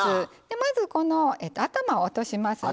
まずこの頭を落としますね。